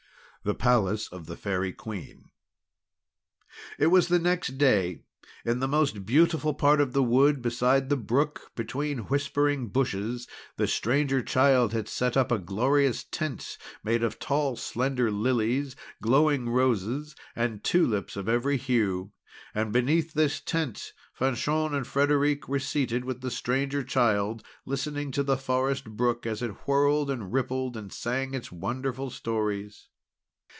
THE PALACE OF THE FAIRY QUEEN It was the next day. In the most beautiful part of the wood beside the brook, between whispering bushes, the Stranger Child had set up a glorious tent made of tall slender lilies, glowing roses, and tulips of every hue. And beneath this tent, Fanchon and Frederic were seated with the Stranger Child, listening to the forest brook as it whirled, and rippled, and sang its wonderful stories.